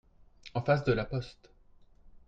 En face de la poste.